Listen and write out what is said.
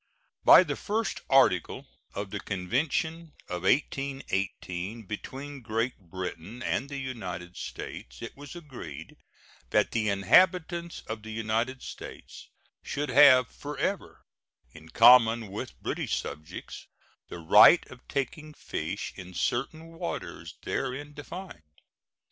By the first article of the convention of 1818 between Great Britain and the United States it was agreed that the inhabitants of the United States should have forever, in common with British subjects, the right of taking fish in certain waters therein defined.